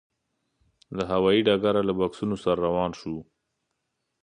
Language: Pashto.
له هوايي ډګره له بکسونو سره روان شوو.